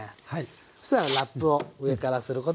そしたらラップを上からすることでね